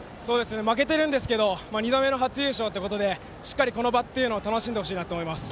負けてるんですけど二度目の初優勝ということでしっかり、この場というのを楽しんでほしいなと思います。